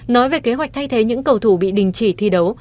nói về kế hoạch thay thế những cầu thủ bị đình chỉ thi đấu